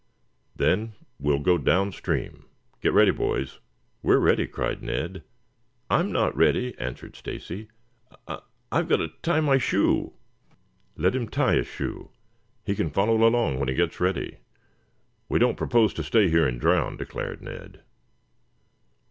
"Then we will go downstream. Get ready, boys." "We're ready," cried Ned. "I'm not ready," answered Stacy. "I I've got to tie my shoe. I " "Let him tie his shoe. He can follow along when he gets ready. We don't propose to stay here and drown," declared Ned.